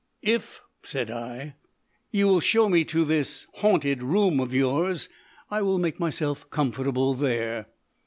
"If," said I, "you will show me to this haunted room of yours, I will make myself comfortable there."